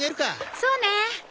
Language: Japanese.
そうね。